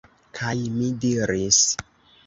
Kaj mi diris: